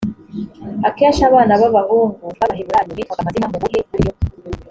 akenshi abana b’abahungu b’abaheburayo bitwaga amazina mu buhe buryo